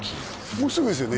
もうすぐですよね